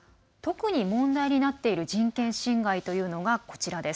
特に問題になっている人権侵害というのが、こちら。